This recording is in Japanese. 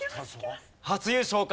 初優勝か？